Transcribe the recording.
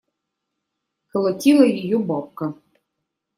Колотила ее бабка.